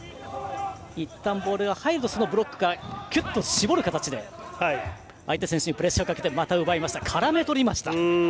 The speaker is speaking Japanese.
いったんボールが入るとブロックを絞る形で相手選手にプレッシャーをかけて絡めとりました。